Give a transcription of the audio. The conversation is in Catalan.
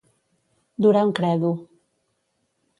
Durar un credo.